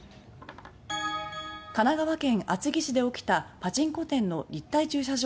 神奈川県厚木市で起きたパチンコ店の立体駐車場